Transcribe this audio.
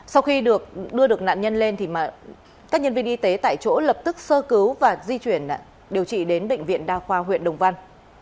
sau khi được đưa được nạn nhân lên thì các nhân viên y tế tại chỗ lập tức sơ cứu và di chuyển điều trị đến bệnh viện đa khoa huyện đồng văn